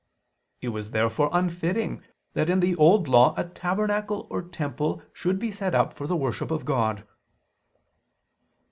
It was therefore unfitting that in the Old Law a tabernacle or temple should be set up for the worship of God.